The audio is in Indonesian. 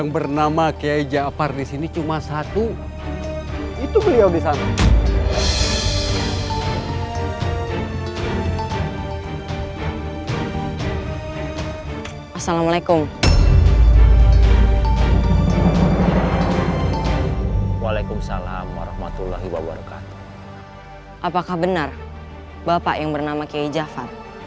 bapak tolong aku